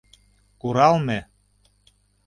Куралме